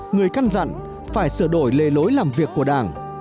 người căn dặn phải sửa đổi lề lối làm việc của đảng